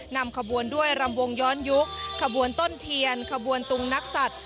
นำขบวนด้วยรำวงย้อนยุคขบวนต้นเทียนขบวนตุงนักสัตว์